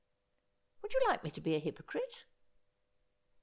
' "Would you like me to be a hypocrite